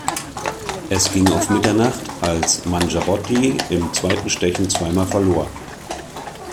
Es ging auf Mitternacht, als Mangiarotti im zweiten Stechen zweimal verlor.